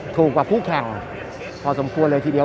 ถูกกว่าคู่แข่งพอสมควรเลยทีเดียว